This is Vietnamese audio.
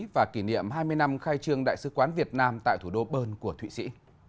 và kỷ niệm hai mươi năm khai trương đại sứ quán việt nam tại thủ đô bern của thụy sĩ